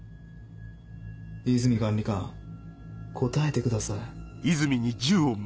和泉管理官答えてください。